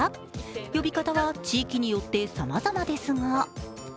呼び方は地域によってさまざまですが。